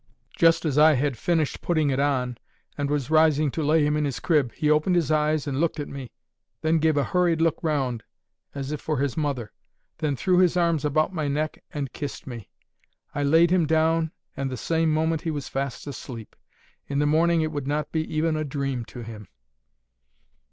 Just as I had finished putting it on, and was rising to lay him in his crib, he opened his eyes, and looked at me; then gave a hurried look round, as if for his mother; then threw his arms about my neck and kissed me. I laid him down and the same moment he was fast asleep. In the morning it would not be even a dream to him.